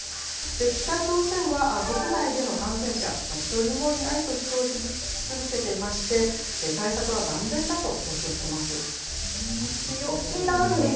北朝鮮は国内での感染者、一人もいないと主張し続けていまして、対策は万全だと強調しています。